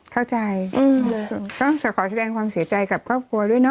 เข้าใจต้องขอแสดงความเสียใจกับครอบครัวด้วยเนอ